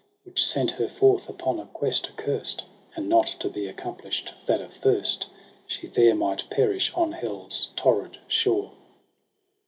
Which sent her forth upon a quest accurst. And not to be accomplisht, that of thirst She there might perish on hell's torrid shore.